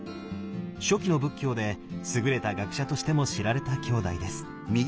初期の仏教で優れた学者としても知られた兄弟です。